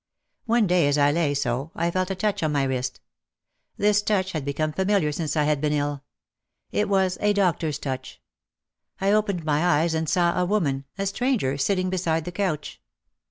One day as I lay so I felt a touch on my wrist. This touch had become familiar since I had been ill. It was a doctor's touch. I opened my eyes and saw a woman, a stranger, sitting beside the couch.